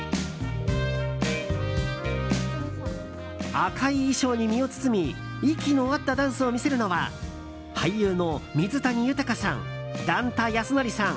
赤い衣装に身を包み息の合ったダンスを見せるのは俳優の水谷豊さん、段田安則さん